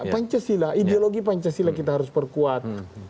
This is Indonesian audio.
pancasila ideologi pancasila kita harus perkuat